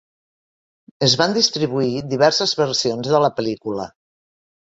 Es van distribuir diverses versions de la pel·lícula.